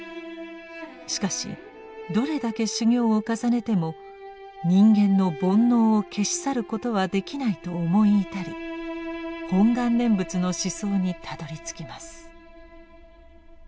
しかしどれだけ修行を重ねても人間の煩悩を消し去ることはできないと思い至り「本願念仏」の思想にたどりつきます。